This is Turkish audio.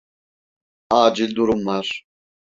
Acil durum var.